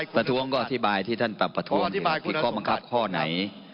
ประท้วงก็อธิบายที่ท่านปรับประท้วงผิดข้อบังคับข้อไหน